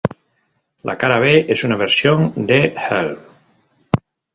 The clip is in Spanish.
La cara B es una versión de "Help!